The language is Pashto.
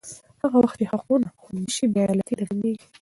هغه وخت چې حقونه خوندي شي، بې عدالتي نه ټینګېږي.